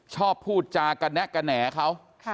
ชอบพูดจากนะกะแหน่เขา